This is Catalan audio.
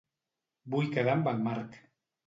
Vull quedar amb el Marc.